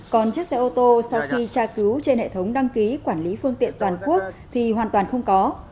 còn chiếc xe ô tô sau khi tra cứu trên hệ thống đăng ký quản lý phương tiện toàn quốc thì hoàn toàn không có